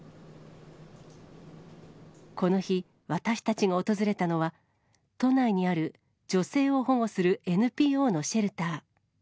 この日、私たちが訪れたのは、都内にある女性を保護するＮＰＯのシェルター。